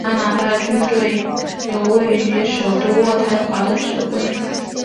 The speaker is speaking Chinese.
加拿大军队由位于首都渥太华的指挥。